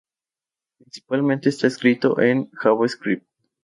Principalmente está escrito en JavaScript.